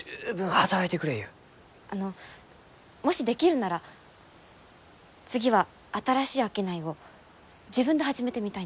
あのもしできるなら次は新しい商いを自分で始めてみたいんです。